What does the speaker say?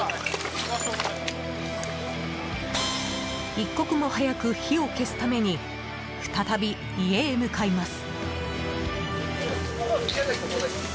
一刻も早く火を消すために再び家へ向かいます。